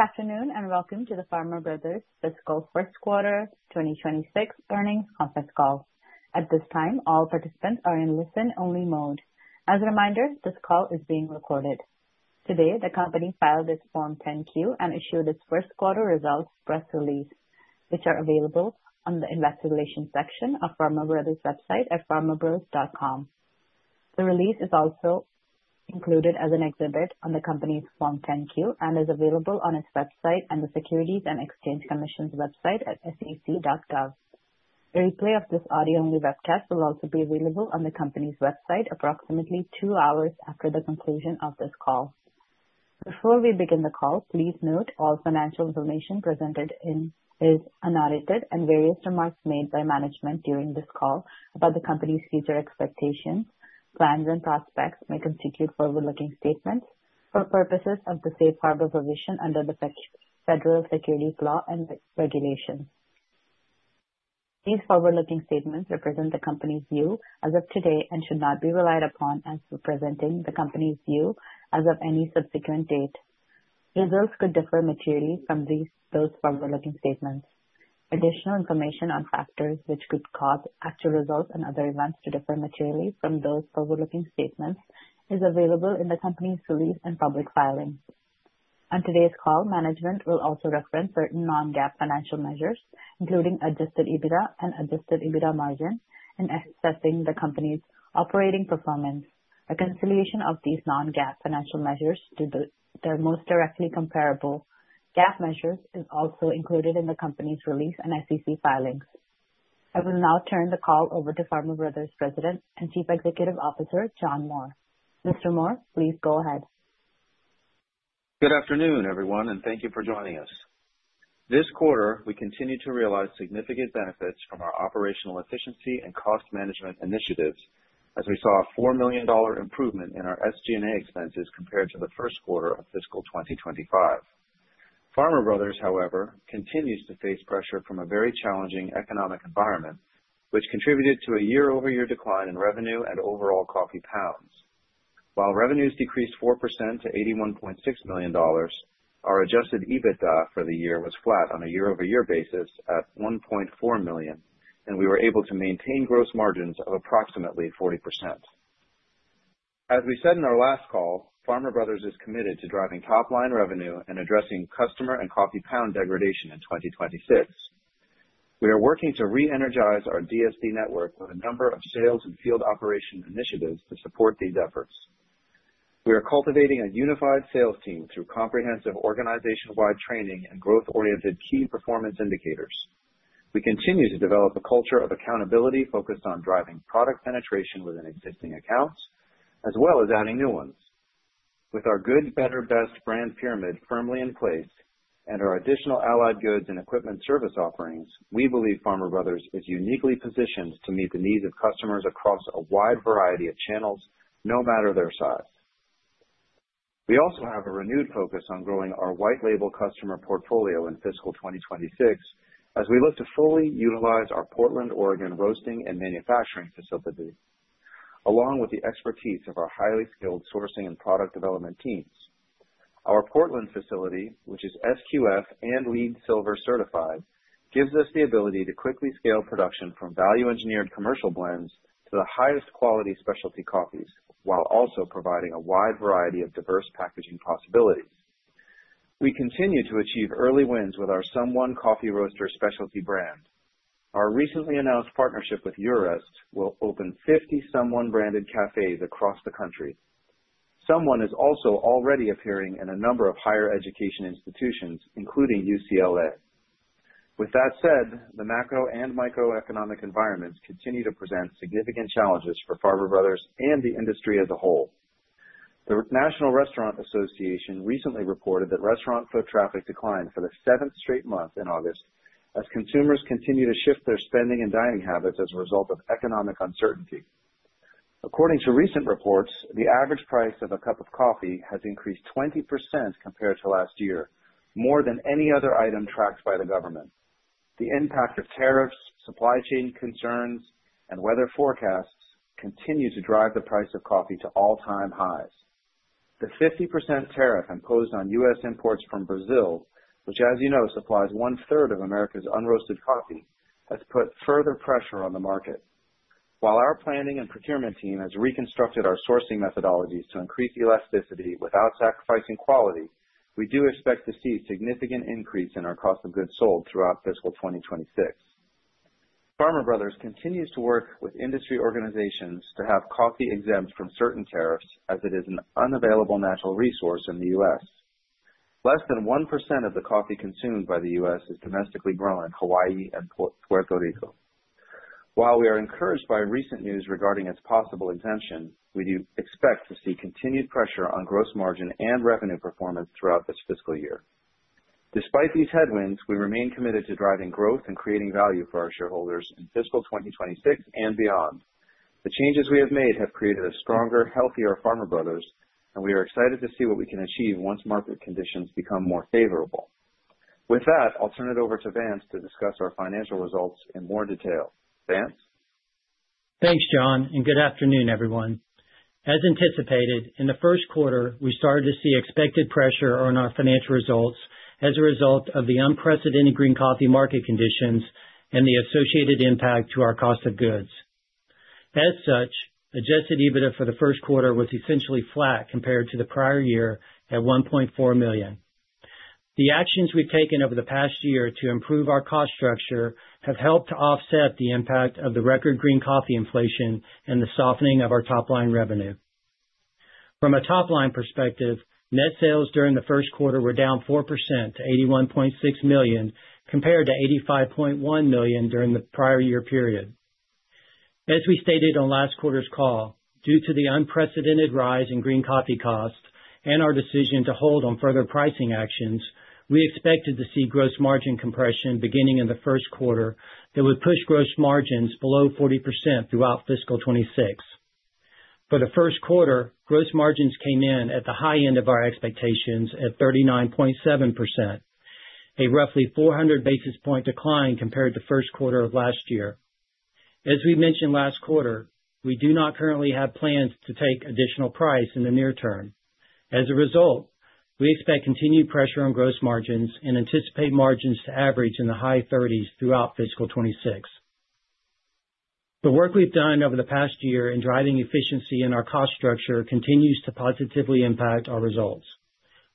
Good afternoon and welcome to the Farmer Brothers Fiscal First Quarter 2026 Earnings Conference Call. At this time, all participants are in listen-only mode. As a reminder, this call is being recorded. Today, the company filed its Form 10-Q and issued its first-quarter results press release, which are available on the investor relations section of Farmer Brothers. website at farmerbros.com. The release is also included as an exhibit on the company's Form 10-Q and is available on its website and the Securities and Exchange Commission's website at sec.gov. A replay of this audio-only webcast will also be available on the company's website approximately two hours after the conclusion of this call. Before we begin the call, please note all financial information presented is unedited, and various remarks made by management during this call about the company's future expectations, plans, and prospects may constitute forward-looking statements for purposes of the Safe Harbor Provision under the federal securities law and regulations. These forward-looking statements represent the company's view as of today and should not be relied upon as representing the company's view as of any subsequent date. Results could differ materially from those forward-looking statements. Additional information on factors which could cause actual results and other events to differ materially from those forward-looking statements is available in the company's release and public filing. On today's call, management will also reference certain non-GAAP financial measures, including Adjusted EBITDA and Adjusted EBITDA margin, in assessing the company's operating performance. A reconciliation of these non-GAAP financial measures to their most directly comparable GAAP measures is also included in the company's release and SEC filings. I will now turn the call over to Farmer Brothers' President and Chief Executive Officer, John Moore. Mr. Moore, please go ahead. Good afternoon, everyone, and thank you for joining us. This quarter, we continue to realize significant benefits from our operational efficiency and cost management initiatives, as we saw a $4 million improvement in our SG&A expenses compared to the first quarter of fiscal 2025. Farmer Brothers, however, continues to face pressure from a very challenging economic environment, which contributed to a year-over-year decline in revenue and overall coffee pounds. While revenues decreased 4% to $81.6 million, our Adjusted EBITDA for the year was flat on a year-over-year basis at $1.4 million, and we were able to maintain gross margins of approximately 40%. As we said in our last call, Farmer Brothers is committed to driving top-line revenue and addressing customer and coffee pound degradation in 2026. We are working to re-energize our DSD network with a number of sales and field operation initiatives to support these efforts. We are cultivating a unified sales team through comprehensive organization-wide training and growth-oriented key performance indicators. We continue to develop a culture of accountability focused on driving product penetration within existing accounts, as well as adding new ones. With our Good, Better, Best brand pyramid firmly in place and our additional allied goods and equipment service offerings, we believe Farmer Brothers is uniquely positioned to meet the needs of customers across a wide variety of channels, no matter their size. We also have a renewed focus on growing our white-label customer portfolio in fiscal 2026, as we look to fully utilize our Portland, Oregon, roasting and manufacturing facility, along with the expertise of our highly skilled sourcing and product development teams. Our Portland facility, which is SQF and LEED Silver certified, gives us the ability to quickly scale production from value-engineered commercial blends to the highest quality specialty coffees, while also providing a wide variety of diverse packaging possibilities. We continue to achieve early wins with our SomeOne Coffee Roaster specialty brand. Our recently announced partnership with Eurest will open 50 SomeOne branded cafes across the country. SomeOne is also already appearing in a number of higher education institutions, including UCLA. With that said, the macro and microeconomic environments continue to present significant challenges for Farmer Brothers and the industry as a whole. The National Restaurant Association recently reported that restaurant foot traffic declined for the seventh straight month in August, as consumers continue to shift their spending and dining habits as a result of economic uncertainty. According to recent reports, the average price of a cup of coffee has increased 20% compared to last year, more than any other item tracked by the government. The impact of tariffs, supply chain concerns, and weather forecasts continue to drive the price of coffee to all-time highs. The 50% tariff imposed on U.S. imports from Brazil, which, as you know, supplies one-third of America's unroasted coffee, has put further pressure on the market. While our planning and procurement team has reconstructed our sourcing methodologies to increase elasticity without sacrificing quality, we do expect to see a significant increase in our cost of goods sold throughout fiscal 2026. Farmer Brothers continues to work with industry organizations to have coffee exempt from certain tariffs, as it is an unavailable natural resource in the U.S. Less than 1% of the coffee consumed by the U.S. is domestically grown in Hawaii and Puerto Rico. While we are encouraged by recent news regarding its possible exemption, we do expect to see continued pressure on gross margin and revenue performance throughout this fiscal year. Despite these headwinds, we remain committed to driving growth and creating value for our shareholders in fiscal 2026 and beyond. The changes we have made have created a stronger, healthier Farmer Brothers, and we are excited to see what we can achieve once market conditions become more favorable. With that, I'll turn it over to Vance to discuss our financial results in more detail. Vance? Thanks, John, and good afternoon, everyone. As anticipated, in the first quarter, we started to see expected pressure on our financial results as a result of the unprecedented green coffee market conditions and the associated impact to our cost of goods. As such, Adjusted EBITDA for the first quarter was essentially flat compared to the prior year at $1.4 million. The actions we've taken over the past year to improve our cost structure have helped to offset the impact of the record green coffee inflation and the softening of our top-line revenue. From a top-line perspective, net sales during the first quarter were down 4% to $81.6 million compared to $85.1 million during the prior year period. As we stated on last quarter's call, due to the unprecedented rise in green coffee costs and our decision to hold on further pricing actions, we expected to see gross margin compression beginning in the first quarter that would push gross margins below 40% throughout fiscal 26. For the first quarter, gross margins came in at the high end of our expectations at 39.7%, a roughly 400 basis points decline compared to the first quarter of last year. As we mentioned last quarter, we do not currently have plans to take additional price in the near term. As a result, we expect continued pressure on gross margins and anticipate margins to average in the high 30s throughout fiscal 26. The work we've done over the past year in driving efficiency in our cost structure continues to positively impact our results.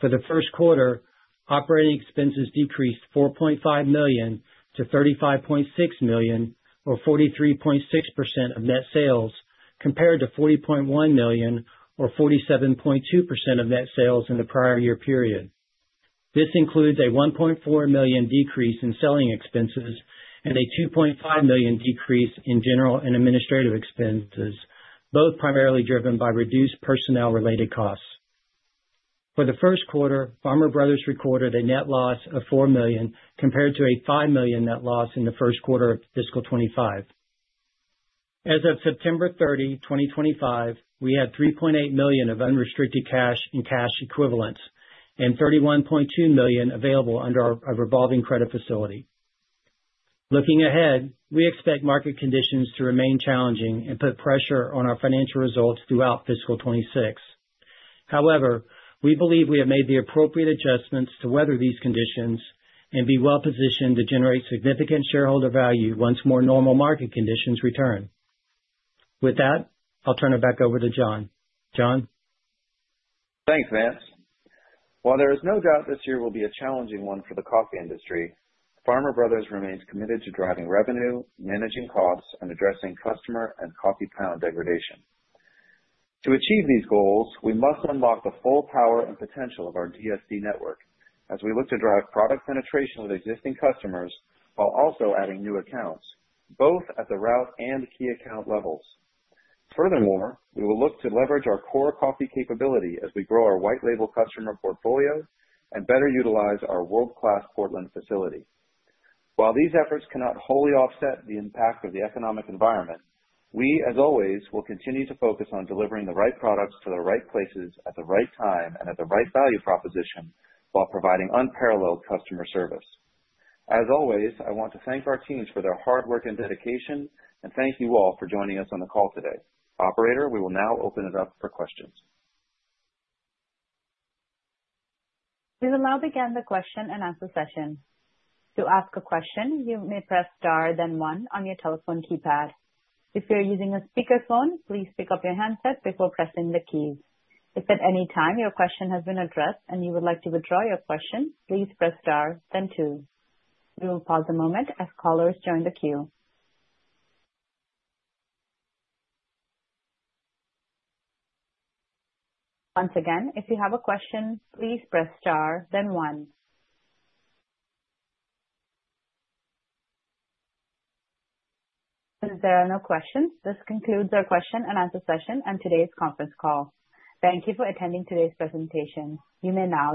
For the first quarter, operating expenses decreased $4.5 million to $35.6 million, or 43.6% of net sales, compared to $40.1 million, or 47.2% of net sales in the prior year period. This includes a $1.4 million decrease in selling expenses and a $2.5 million decrease in general and administrative expenses, both primarily driven by reduced personnel-related costs. For the first quarter, Farmer Brothers recorded a net loss of $4 million compared to a $5 million net loss in the first quarter of fiscal 2025. As of September 30, 2025, we had $3.8 million of unrestricted cash and cash equivalents and $31.2 million available under our revolving credit facility. Looking ahead, we expect market conditions to remain challenging and put pressure on our financial results throughout fiscal 2026. However, we believe we have made the appropriate adjustments to weather these conditions and be well-positioned to generate significant shareholder value once more normal market conditions return. With that, I'll turn it back over to John. John? Thanks, Vance. While there is no doubt this year will be a challenging one for the coffee industry, Farmer Brothers remains committed to driving revenue, managing costs, and addressing customer and coffee pound degradation. To achieve these goals, we must unlock the full power and potential of our DSD network as we look to drive product penetration with existing customers while also adding new accounts, both at the route and key account levels. Furthermore, we will look to leverage our core coffee capability as we grow our white-label customer portfolio and better utilize our world-class Portland facility. While these efforts cannot wholly offset the impact of the economic environment, we, as always, will continue to focus on delivering the right products to the right places at the right time and at the right value proposition while providing unparalleled customer service. As always, I want to thank our teams for their hard work and dedication, and thank you all for joining us on the call today. Operator, we will now open it up for questions. We will now begin the question and answer session. To ask a question, you may press star then star one on your telephone keypad. If you're using a speakerphone, please pick up your handset before pressing the keys. If at any time your question has been addressed and you would like to withdraw your question, please press star then star two. We will pause a moment as callers join the queue. Once again, if you have a question, please press star then star one. Since there are no questions, this concludes our question and answer session and today's conference call. Thank you for attending today's presentation. You may now.